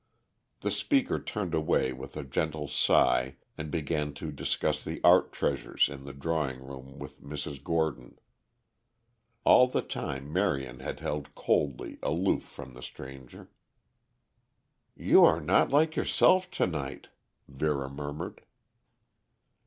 The speaker turned away with a gentle sigh and began to discuss the art treasures in the drawing room with Mrs. Gordon. All the time Marion had held coldly aloof from the stranger. "You are not like yourself to night," Vera murmured.